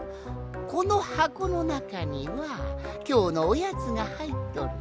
このはこのなかにはきょうのおやつがはいっとる。